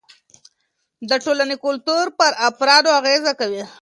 د ټولنې کلتور پر افرادو اغېز کوي.